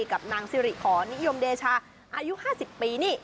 กับนางสิริขอนิยมเดชาอายุ๕๐ปีนี่